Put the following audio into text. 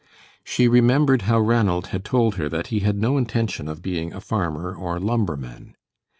She remembered how Ranald had told her that he had no intention of being a farmer or lumberman.